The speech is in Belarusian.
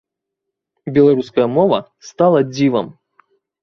Беларуская мова стала дзівам!